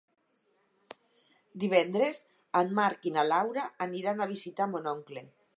Divendres en Marc i na Laura aniran a visitar mon oncle.